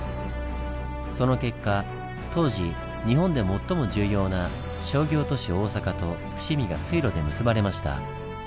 その結果当時日本で最も重要な商業都市大坂と伏見が水路で結ばれました。